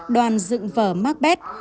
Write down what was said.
đoàn dựng vở macbeth